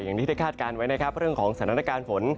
อย่างที่ได้คาดการณ์ไว้นะครับเรื่องของสถานการณ์ฝน